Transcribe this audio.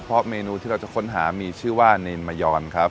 เพราะเมนูที่เราจะค้นหามีชื่อว่าเนรมยอนครับ